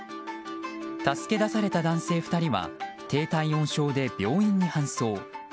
助け出された男性２人は低体温症で病院に搬送。